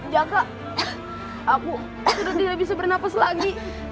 jaka aku sudah tidak bisa bernafas lagi